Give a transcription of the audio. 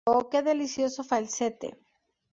Oh, que delicioso falsete.